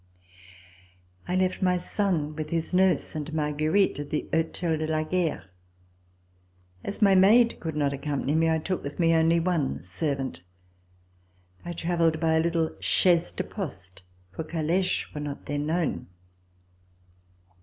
I left my son with his nurse and Marguerite at the Hotel de la Guerre. As my maid could not accompany me, I took with me only one servant. I travelled by a little chaise de poste, for caleches were not then known.